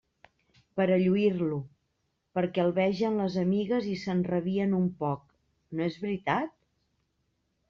Per a lluir-lo, perquè el vegen les amigues i s'enrabien un poc..., no és veritat?